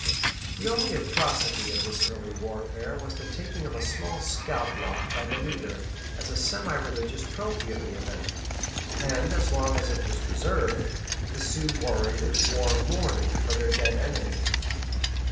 The only atrocity of this early warfare was the taking of a small scalp lock by the leader, as a semi religious trophy of the event; and as long as it was preserved, the Sioux warriors wore mourning for their dead enemy.